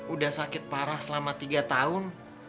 udah sakit parah selama tiga tahun